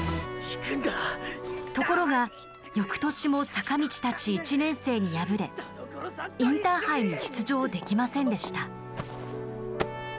ところがよくとしも坂道たち１年生に敗れインターハイに出場できませんでした。